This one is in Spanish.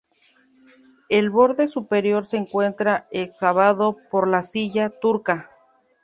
El borde superior se encuentra excavado por la silla turca.